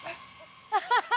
ハハハハ。